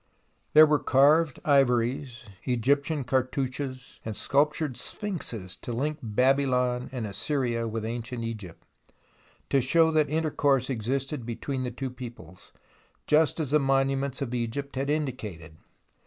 There were carved ivories, Egyptian cartouches, sculptured sphinxes, to link Babylon and Assyria with ancient Egypt, to show that intercourse existed between the two peoples, just as the monu ments of Egypt indicated.